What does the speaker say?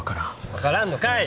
分からんのかい！